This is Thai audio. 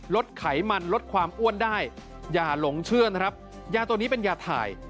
ไขมันลดความอ้วนได้อย่าหลงเชื่อนะครับยาตัวนี้เป็นยาถ่าย